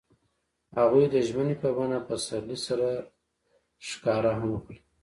هغوی د ژمنې په بڼه پسرلی سره ښکاره هم کړه.